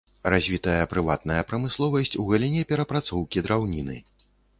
Развітая прыватная прамысловасць у галіне перапрацоўкі драўніны.